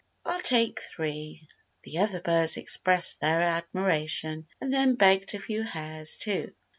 "I'll take three." The other birds expressed their admiration, and then begged a few hairs, too.